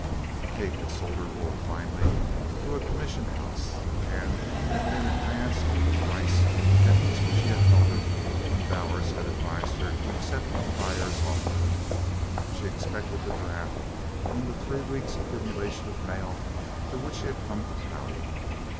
Kate had sold her wool, finally, through a commission house, and at an advance over the price at which she had held it when Bowers had advised her to accept the buyer's offer. She expected the draft in the three weeks' accumulation of mail for which she had come to Prouty.